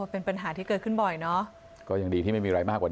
เป็นปัญหาที่เกิดขึ้นบ่อยเนอะก็ยังดีที่ไม่มีอะไรมากกว่านี้